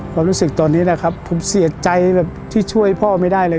ความรู้สึกตอนนี้นะครับผมเสียใจแบบที่ช่วยพ่อไม่ได้เลย